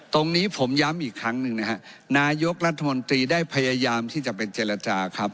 ตรงนี้ผมย้ำอีกครั้งหนึ่งนะฮะนายกรัฐมนตรีได้พยายามที่จะไปเจรจาครับ